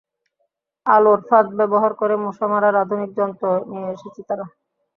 আলোর ফাঁদ ব্যবহার করে মশা মারার আধুনিক যন্ত্র নিয়ে এসেছে তারা।